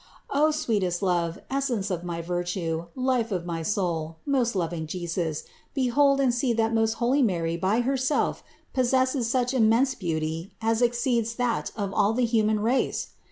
O sweetest love, essence of my virtue, life of my soul, most loving Jesus, behold and see that most holy Mary by Herself possesses such immense beauty as exceeds that of all the human race!